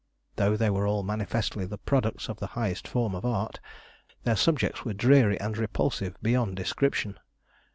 Though they were all manifestly the products of the highest form of art, their subjects were dreary and repulsive beyond description.